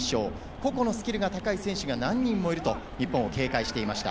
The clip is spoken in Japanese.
個々のスキルが高い選手が何人もいると日本を警戒していました。